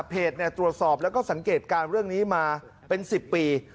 ตรวจสอบแล้วก็สังเกตการณ์เรื่องนี้มาเป็น๑๐ปี